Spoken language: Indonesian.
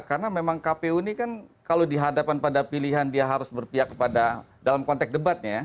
karena memang kpu ini kan kalau dihadapan pada pilihan dia harus berpihak kepada dalam konteks debatnya